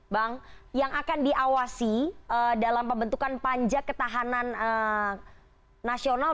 bang yang akan diawasi dalam pembentukan panja ketahanan nasional